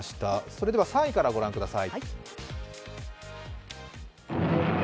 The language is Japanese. それでは３位からご覧ください。